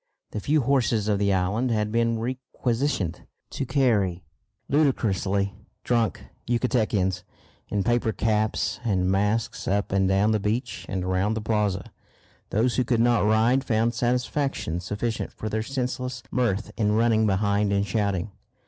The few horses of the island had been requisitioned to carry ludicrously drunk Yucatecans in paper caps and masks up and down the beach and round the plaza. Those who could not ride found satisfaction sufficient for their senseless mirth in running behind and shouting.